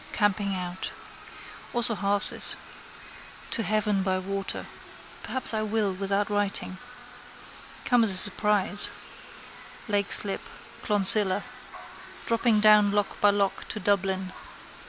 Camping out. Also hearses. To heaven by water. Perhaps I will without writing. Come as a surprise, Leixlip, Clonsilla. Dropping down lock by lock to Dublin.